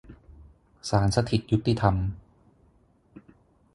ศาลสถิตยุติธรรม